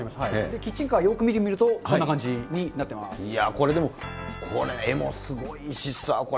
キッチンカー、よーく見てみると、これでも、これ絵もすごいしさ、これ。